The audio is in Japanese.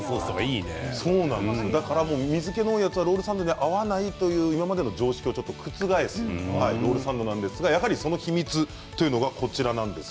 水けの多いやつはロールサンドに合わないという今までの常識を覆すロールサンドなんですが秘密は、こちらです。